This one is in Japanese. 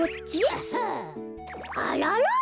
あらら？